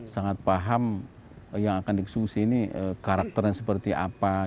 sangat paham yang akan disungsi ini karakternya seperti apa